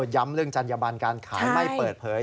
ย้ำเรื่องจัญญบันการขายไม่เปิดเผย